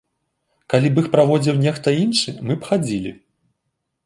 Калі б іх праводзіў нехта іншы, мы б хадзілі.